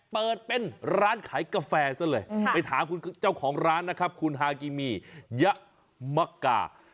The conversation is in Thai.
เปิดเป็นร้านขายกาแฟซะเลยไปถามคุณเจ้าของร้านนะครับคุณฮากิมียะมะกา